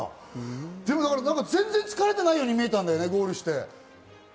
でも全然疲れてないように見えたんだよね、ゴールして。